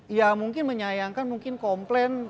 ya mungkin menyayangkan mungkin komplain